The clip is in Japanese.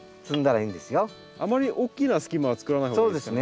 あまり大きな隙間は作らない方がいいですね。